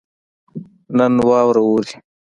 نن واوره اوري